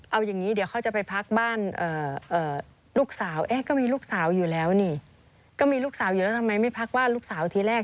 เอาอย่างนี้เดี๋ยวเขาจะไปพักบ้านลูกสาวเอ๊ะก็มีลูกสาวอยู่แล้วนี่ก็มีลูกสาวอยู่แล้วทำไมไม่พักบ้านลูกสาวทีแรก